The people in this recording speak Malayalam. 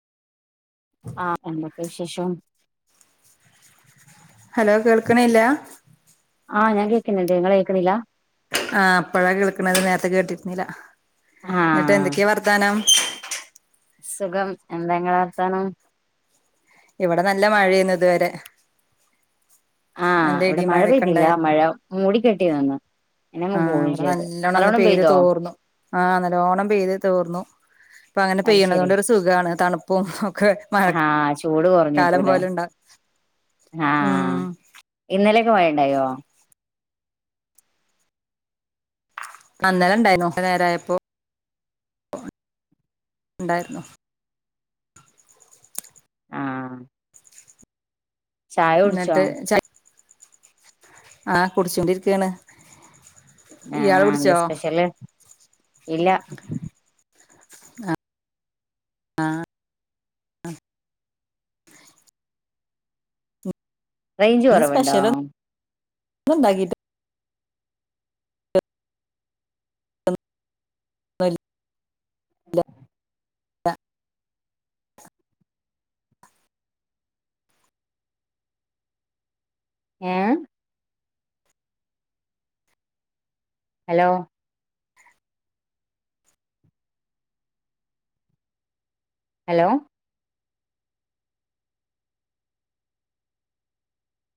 ആഹ് എന്തൊക്കെ വിശേഷം ഹലോ കേൾക്കണില്ലാ ആഹ് ഞാൻ കേക്കുന്നുണ്ട് ഇങ്ങള് കേൾക്കണില്ലാ ആഹ് ഇപ്പഴാ കേൾക്കണത് നേരത്തെ കേട്ടിരുന്നില്ല എന്നിട്ട് ആഹ് എന്തൊക്കെയാ വർത്താനം സുഖം എന്തായിങ്ങളെ വർത്താനം ഇവിടെ നല്ല മഴേന്നു ഇതുവരെ ആഹ് നല്ല ഇവിടെ ഇടിയും മഴ മഴയൊക്കെ പെയ്തില്ല ഉണ്ടായിരുന്നു മഴ മൂടിക്കെട്ടി നിന്നു ആഹ് ഇവടെ നല്ലോണൊന്ന് പെയ്ത് പെയ്തോ തോർന്നു ആഹ് നല്ലോണം പെയ്ത് തോർന്നു ഇപ്പങ്ങനെ അത് പെയ്യണതൊണ്ടൊരു സുഖാണ് തണുപ്പും ഒക്കെ ആഹാ ചൂട് മഴക്കാലം കൊറഞ്ഞിട്ടൂലേ പോലെ ഉണ്ടാവും ആഹ് ഉം ഇന്നലെയൊക്കെ മഴയുണ്ടായോ ആഹ് ഇന്നലെയുണ്ടായിനു കുറേ നേരായപ്പോ ഉണ്ടായിരുന്നു ആഹ് ചായുടിച്ചോ എന്നിട്ട് ചായ ആഹ് കുടിച്ചോണ്ടിരിക്കാണ് ആഹ് എന്താ സ്പെഷ്യല് ഇല്ല ആഹ് റേഞ്ച് ന്ന് കുറവുണ്ടോ സ്പെഷ്യലൊ ന്നുണ്ടാക്കിട്ട് [unintelligible] [unintelligible] ഏഹ് ഹലോ ഹലോ